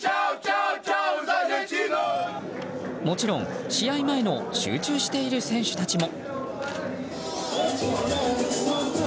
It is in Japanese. もちろん試合前の集中している選手たちも。